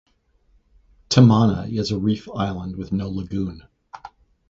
Tamana is a reef island with no lagoon.